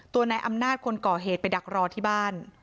นายอำนาจคนก่อเหตุไปดักรอที่บ้าน